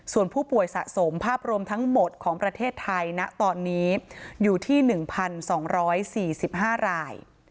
ส่วนผู้ป่วยสะสมภาพรวมทั้งหมดของประเทศไทยนะตอนนี้อยู่ที่หนึ่งพันสองร้อยสี่สิบห้าราย